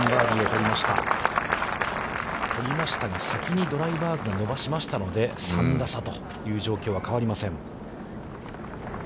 取りましたが、先にドライバーグが伸ばしましたので、３打差という状況は変わりません。